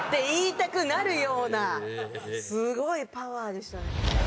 言いたくなるようなすごいパワーでしたね。